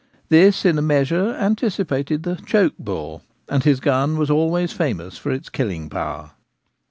This in a measure anticipated the ' choke bore/ and his gun was always famous for its killing power.